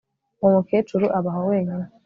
Uwo mukecuru abaho wenyine